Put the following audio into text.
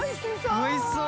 おいしそう！